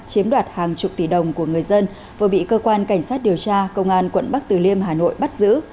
chiếm đoạt hàng chục tỷ đồng của người dân vừa bị cơ quan cảnh sát điều tra công an quận bắc từ liêm hà nội bắt giữ